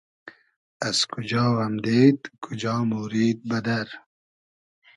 از کوجا امدېد کوجا مۉرید بئدئر؟